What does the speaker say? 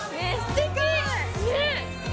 ねっ！